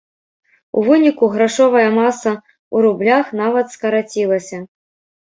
У выніку грашовая маса ў рублях нават скарацілася.